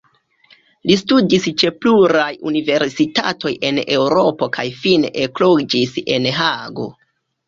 Li studis ĉe pluraj universitatoj en Eŭropo kaj fine ekloĝis en Hago.